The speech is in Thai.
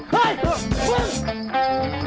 เฮ่ยมึง